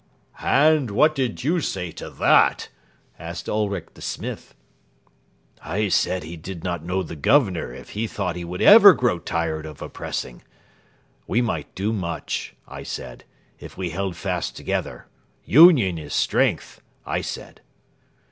'" "And what did you say to that?" asked Ulric the smith. "I said he did not know the Governor if he thought he could ever grow tired of oppressing. 'We might do much,' I said, 'if we held fast together. Union is strength,' I said.